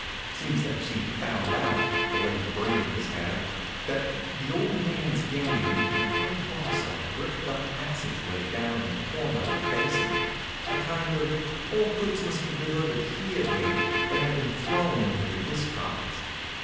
Seems that she'd found out, the lady brigandess had, that the old man's gang had run across a bricked up passageway down in one corner of the basement, a kind of All Goods Must Be Delivered Here gate that had been thrown into the discards.